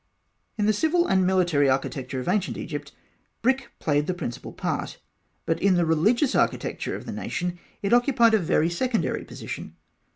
In the civil and military architecture of Ancient Egypt brick played the principal part; but in the religious architecture of the nation it occupied a very secondary position.